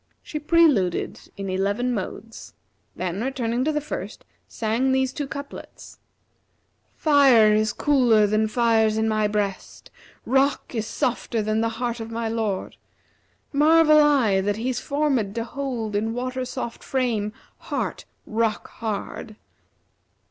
She preluded in eleven modes, then, returning to the first, sang these two couplets, 'Fire is cooler than fires in my breast, * Rock is softer than heart of my lord Marvel I that he's formиd to hold * In water soft frame heart rock hard!'